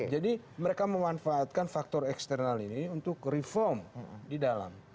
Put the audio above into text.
jadi mereka memanfaatkan faktor eksternal ini untuk reform di dalam